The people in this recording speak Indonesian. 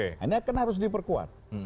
ini akan harus diperkuat